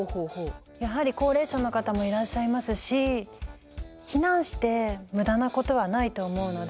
やはり高齢者の方もいらっしゃいますし避難して無駄なことはないと思うので。